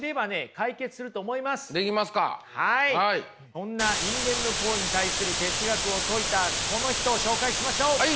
そんな人間の行為に対する哲学を説いたこの人を紹介しましょう。